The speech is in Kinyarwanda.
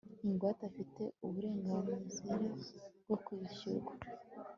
ingwate afite uburenganzira bwo kwishyurwa